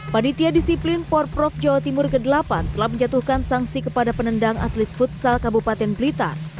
panitia disiplin por prof jawa timur ke delapan telah menjatuhkan sanksi kepada penendang atlet futsal kabupaten blitar